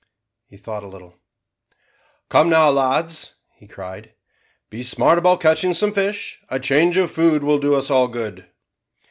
He thought a little. "Come now, lads," he cried out, "be smart about catching some fish; a change of food will do us all good."